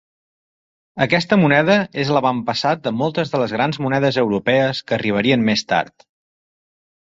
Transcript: Aquesta moneda és l'avantpassat de moltes de les grans monedes europees que arribarien més tard.